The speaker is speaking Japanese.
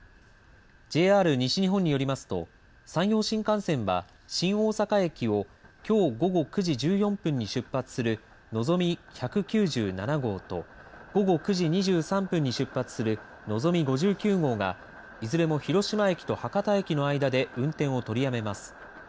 ＪＲ西日本によりますと山陽新幹線は新大阪駅をきょう午後９時１４分に出発するのぞみ１９７号と午後９時２３分に出発するのぞみ５９号がいずれも広島駅と博多駅の間で運転を取りやめます。